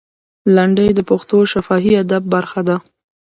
لنډۍ د پښتو شفاهي ادب برخه ده.